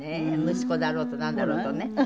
息子だろうとなんだろうとね。